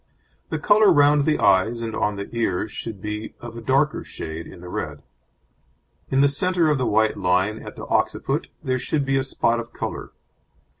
The colour round the eyes and on the ears should be of a darker shade in the red; in the centre of the white line at the occiput there should be a spot of colour.